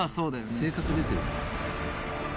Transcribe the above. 性格出てるな。